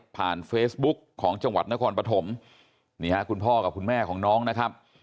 เฟซบุ๊กของจังหวัดนครปฐมนี่ฮะคุณพ่อกับคุณแม่ของน้องนะครับ